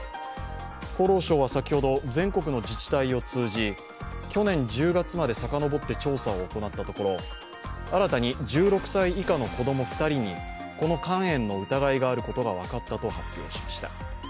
厚労省は先ほど、全国の自治体を通じ、去年１０月までさかのぼって調査を行ったところ新たに１６歳以下の子供２人にこの肝炎の疑いがあることが分かったと発表しました。